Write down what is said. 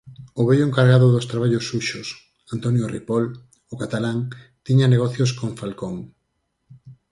o vello encargado dos traballos suxos, Antonio Ripoll, o catalán, tiña negocios con Falcón.